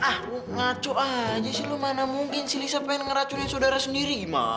ah ngaco aja sih lo mana mungkin si lisa pengen ngeracunin saudara sendiri mah